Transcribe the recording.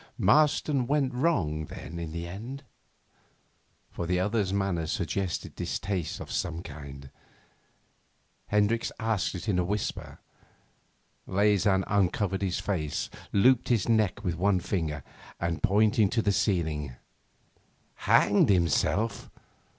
'Marston went wrong, then, in the end?' for the other's manner suggested disaster of some kind. Hendricks asked it in a whisper. Leysin uncovered his face, looped his neck with one finger, and pointed to the ceiling. 'Hanged himself!